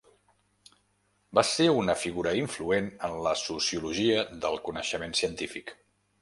Va ser una figura influent en la sociologia del coneixement científic.